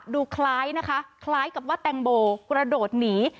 ดูคล้ายนะคะคล้ายกับว่าแตงโมกระโดดหนี